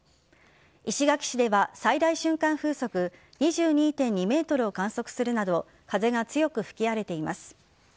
石垣市では最大瞬間風速２２．２メートルを観測するなど風が強く吹き荒れています。